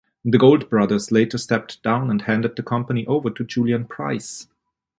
The Gold brothers later stepped down and handed the company over to Julian Price.